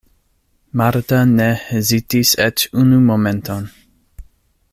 Marta ne hezitis eĉ unu momenton.